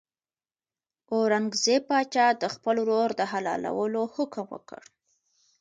اورنګزېب پاچا د خپل ورور د حلالولو حکم وکړ.